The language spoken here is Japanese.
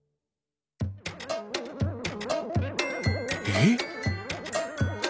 えっ？